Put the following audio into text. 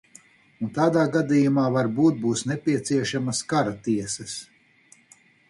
Un tādā gadījumā varbūt būs nepieciešamas kara tiesas.